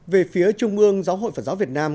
về phía trung ương giáo hội phật giáo việt nam